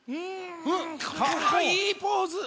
かわいいポーズ。